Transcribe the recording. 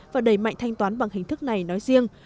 và đẩy mạnh thanh toán bằng hình thức này nói riêng